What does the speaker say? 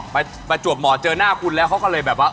ประจวบหมอเจอหน้าคุณแล้วเขาก็เลยแบบว่า